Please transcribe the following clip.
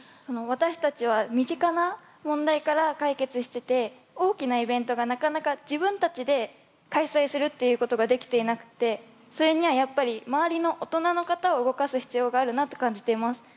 私たちは身近な問題から解決してて大きなイベントがなかなか自分たちで開催するっていうことができていなくてそれにはやっぱり周りの大人の方を動かす必要があるなって感じています。